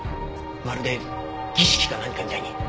まるで儀式か何かみたいに。